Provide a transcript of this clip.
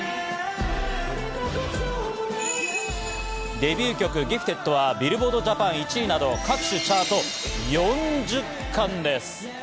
デビュー曲『Ｇｉｆｔｅｄ．』はビルボード・ジャパン１位など、各種チャート４０冠です。